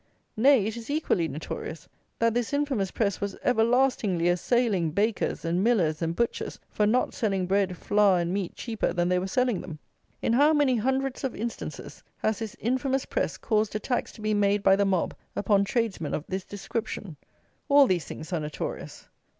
Nay, it is equally notorious, that this infamous press was everlastingly assailing bakers, and millers, and butchers, for not selling bread, flour, and meat cheaper than they were selling them. In how many hundreds of instances has this infamous press caused attacks to be made by the mob upon tradesmen of this description! All these things are notorious.